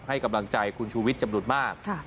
ให้กำลังใจคุณชูวิทย์จำนวนมาก